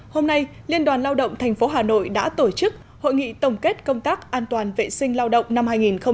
hôm nay liên đoàn lao động tp hà nội đã tổ chức hội nghị tổng kết công tác an toàn vệ sinh lao động năm hai nghìn một mươi chín